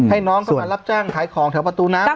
ให้น้องเข้ามารับจ้างขายของแถวประตูน้ำ